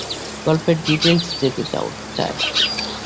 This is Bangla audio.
গল্পের ডিটেইলস-এ যেতে চায় না।